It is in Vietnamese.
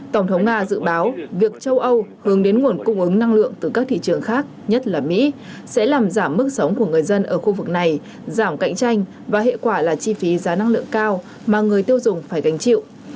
tổng thống nga dự báo việc châu âu hướng đến nguồn cung ứng năng lượng từ các thị trường khác nhất là mỹ sẽ làm giảm mức sống của người dân ở khu vực này giảm cạnh tranh và hệ quả là chi phí giá năng lượng cao mà người tiêu dùng phải gánh chịu